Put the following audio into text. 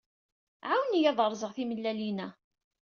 Ɛawen-iyi ad rẓeɣ timellalin-a!